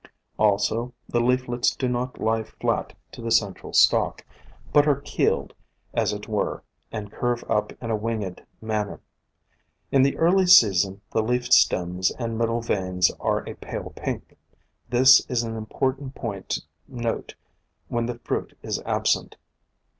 Also, the leaflets do not lie flat to the central stalk, but are keeled, as it were, and curve up in a winged manner. In the early season the leaf stems and middle veins are a pale pink; this is an important point to note when the fruit is absent.